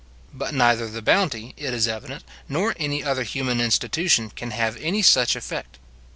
But neither the bounty, it is evident, nor any other human institution, can have any such effect.